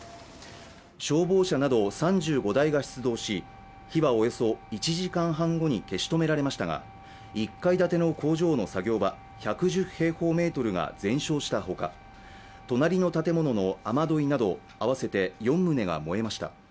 消防車など３５台が出動し、火はおよそ１時間半後に消し止められましたが１階建ての工場の作業場１１０平方メートルが全焼したほか隣の建物の雨どいなど合わせて４棟が燃えました。